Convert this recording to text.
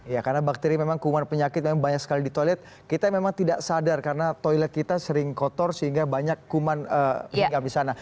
ya karena bakteri memang kuman penyakit memang banyak sekali di toilet kita memang tidak sadar karena toilet kita sering kotor sehingga banyak kuman hingga di sana